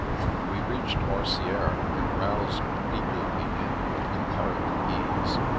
We reached Orsieres and roused the people of the inn with comparative ease.